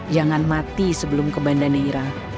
jangan mati sebelum ke banda neira